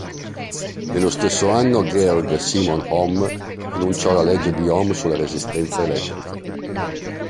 Nello stesso anno Georg Simon Ohm enunciò la legge di Ohm sulla resistenza elettrica.